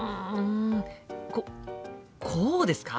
ここうですか？